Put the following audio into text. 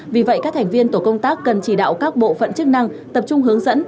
vì vậy các thành viên tổ công tác cần chỉ đạo các bộ phận chức năng tập trung hướng dẫn